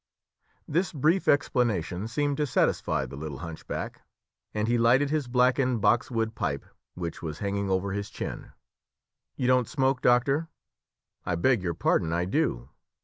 This brief explanation seemed to satisfy the little hunchback, and he lighted his blackened boxwood pipe, which was hanging over his chin. "You don't smoke, doctor?" "I beg your pardon, I do."